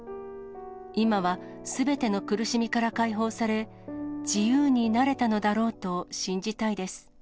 今はすべての苦しみから解放され、自由になれたのだろうと信じたいです。